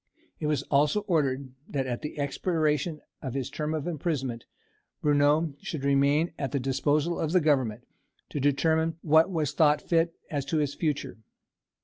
It was also ordered that at the expiration of his term of imprisonment Bruneau should remain at the disposal of the Government, to determine what was thought fit as to his future.